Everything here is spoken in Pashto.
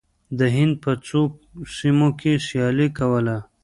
د هند په څو سیمو کې سیالي کوله.